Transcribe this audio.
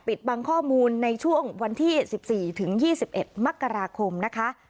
ปิดบังข้อมูลในช่วงวันที่สิบสี่ถึงยี่สิบเอ็ดมักราคมนะคะ